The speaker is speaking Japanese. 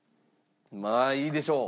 まあいいでしょう。